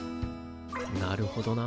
なるほどな。